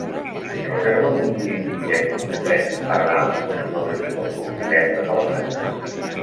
Reserva'm un bitllet de tren per anar a Vilanova i la Geltrú divendres a les dues.